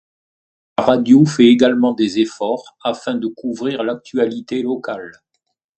La radio fait également des efforts afin de couvrir l'actualité locale.